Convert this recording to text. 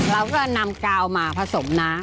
เราก็นำกาวมาผสมนะ